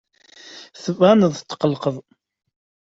Tettbaneḍ-d tetqelqeḍ.